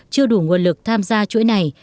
chưa đủ nguồn lực tham gia chuỗi này